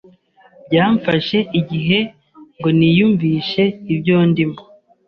Byamfashe igihe ngo niyumvishe ibyo ndimo.